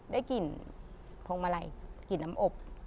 ได้กลิ่นพวงมาลัยกลิ่นน้ำอบ